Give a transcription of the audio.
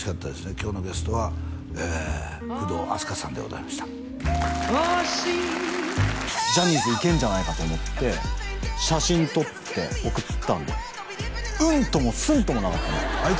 今日のゲストは工藤阿須加さんでございましたジャニーズいけんじゃないかと思って写真撮って送ったのうんともすんともなかったね